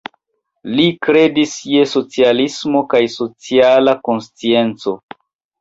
Li kredis je socialismo kaj sociala konscienco.